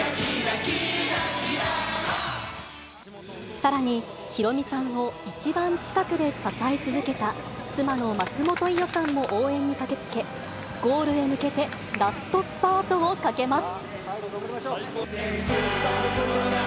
さらに、ヒロミさんを一番近くで支え続けた妻の松本伊代さんも応援に駆けつけ、ゴールへ向けてラストスパートをかけます。